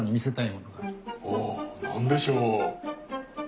お何でしょう？